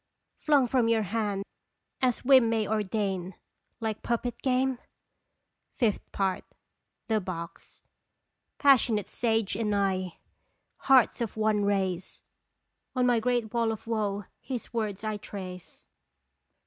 Flung from your hand as whim may ordain. Like puppet game? V. THE BOX. Passionate sage and I ! Hearts of one race ! On my Great Wall of woe his words I trace